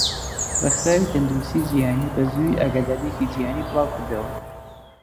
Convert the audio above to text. ڕێخراوی تەندروستی جیهانی بەزوویی ئاگاداریەکی جیهانی بڵاوکردەوە.